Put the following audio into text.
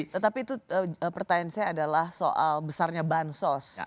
tetapi itu pertanyaan saya adalah soal besarnya bansos